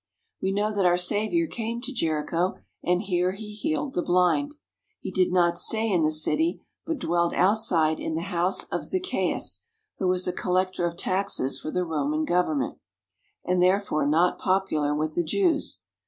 We know that our Saviour came to Jericho, and here He healed the blind. He did not stay in the city, but dwelt outside in the house of Zaccheus, who was a collector of taxes for the Roman Government and therefore not popular with the Jews.